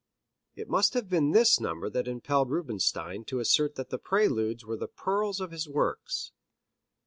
It must have been this number that impelled Rubinstein to assert that the Preludes were the pearls of his works.